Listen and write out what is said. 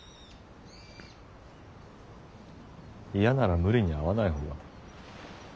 嫌なら無理に会わない方が。